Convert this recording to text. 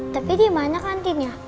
tapi dimana kantinnya